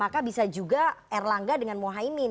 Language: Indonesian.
dan juga erlangga dengan mohaimin